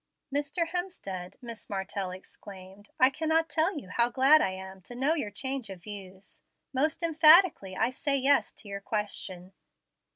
"Mr. Hemstead," Miss Martell exclaimed, "I cannot tell you how glad I am to know your change of views. Most emphatically I say yes to your question.